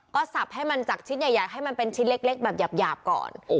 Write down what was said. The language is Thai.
ก็สับให้มันจากชิ้นใหญ่ให้มันเป็นชิ้นเล็กแบบหยาบก่อน